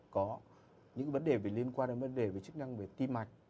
có những cái vấn đề liên quan đến vấn đề về chức năng về tim mạnh